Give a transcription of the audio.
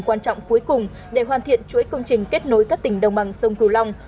quan trọng cuối cùng để hoàn thiện chuỗi công trình kết nối các tỉnh đồng bằng sông cửu long